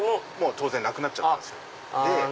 当然なくなっちゃったんですよ。